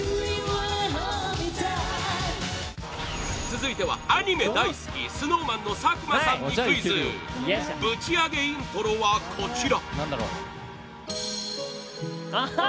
続いてはアニメ大好き ＳｎｏｗＭａｎ の佐久間さんにクイズぶちアゲイントロはこちら